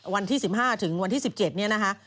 วันที่๑๕ถึงวันที่๑๗เนี่ยนะคะ